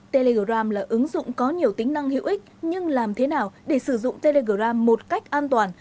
telegram là ứng dụng có nhiều tính năng hữu ích nhưng làm thế nào để sử dụng telegram một cách an toàn